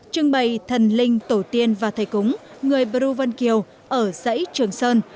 trưng bày thần linh tổ tiên và thầy cúng người bru vân kiều ở dãy trường sơn